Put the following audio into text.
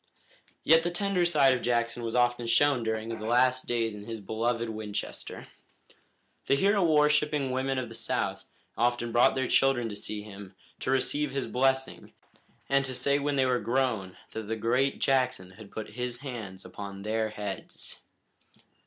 Yet the tender side of Jackson was often shown during his last days in his beloved Winchester. The hero worshipping women of the South often brought their children to see him, to receive his blessing, and to say when they were grown that the great Jackson had put his hands upon their heads.